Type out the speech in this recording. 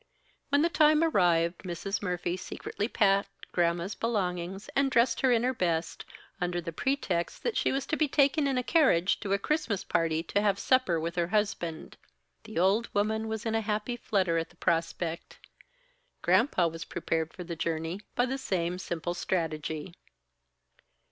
When the time arrived, Mrs. Murphy secretly packed Gramma's belongings and dressed her in her best, under the pretext that she was to be taken in a carriage to a Christmas party to have supper with her husband. The old woman was in a happy flutter at the prospect. Granpa was prepared for the journey by the same simple strategy.